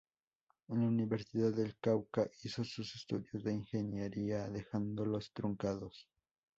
En la Universidad del Cauca hizo sus estudios de Ingeniería, dejándolos truncados.